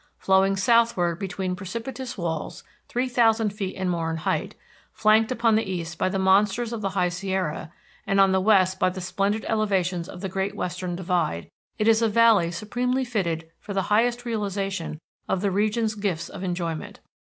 Flowing southward between precipitous walls three thousand feet and more in height, flanked upon the east by monsters of the High Sierra, and on the west by the splendid elevations of the Great Western Divide, it is a valley supremely fitted for the highest realization of the region's gifts of enjoyment.